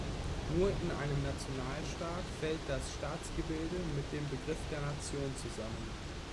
Nur in einem Nationalstaat fällt das Staatsgebilde mit dem Begriff der Nation zusammen.